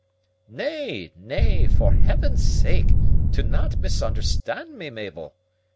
"Nay, nay, for heaven's sake, do not misunderstand me, Mabel!"